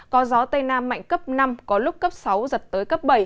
có gió tây nam mạnh cấp năm có lúc cấp sáu giật tới cấp bảy